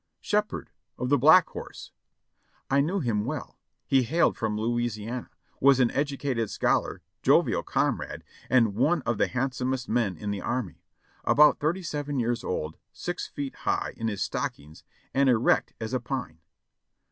"Shepherd, of the Black Horse." I knew him well. He hailed from Louisiana, was an educated scholar, jovial comrade, and one of the handsomest men in the Army ; about thirty seven years old, six feet high in his stockings and erect as a pine.